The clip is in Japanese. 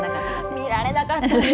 見られなかったんです。